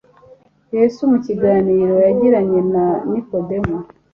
Yesu mu kiganiro yagiranye na Nikodemu,